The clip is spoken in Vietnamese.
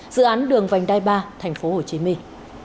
dự án đường vành đai ba thành phố hồ chí minh